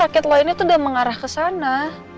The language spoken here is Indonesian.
tapi rakit lo ini tuh udah mengarah ke sana